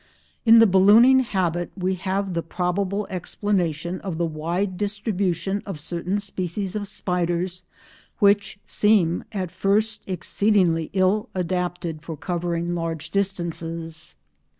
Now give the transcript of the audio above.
In the ballooning habit we have the probable explanation of the wide distribution of certain species of spiders which seem at first exceedingly ill adapted for covering large distances.